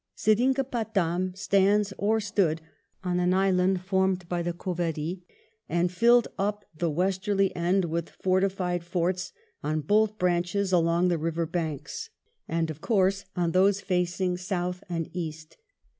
Seringapatam stands, or stood, on an island formed by the Cauvery, and filled up the westerly end with forti fied fronts on both branches along the river banks, and of course on those facing south and east.